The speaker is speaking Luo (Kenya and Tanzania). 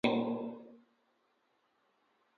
Wang’i olil dhi iluoki